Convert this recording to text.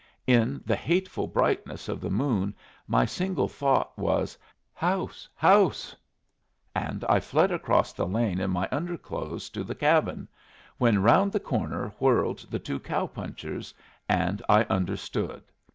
In the hateful brightness of the moon my single thought was "House! House!" and I fled across the lane in my underclothes to the cabin, when round the corner whirled the two cow punchers, and I understood.